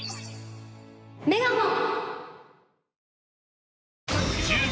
メガホン！